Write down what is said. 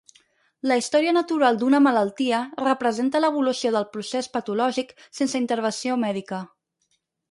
La història natural d'una malaltia representa l'evolució del procés patològic sense intervenció mèdica.